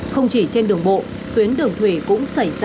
không chỉ trên đường bộ tuyến đường thủy cũng xảy ra